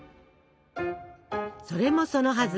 それもそのはず